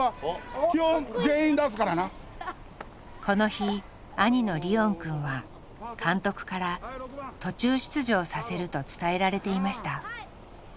この日兄のリオンくんは監督から途中出場させると伝えられていました。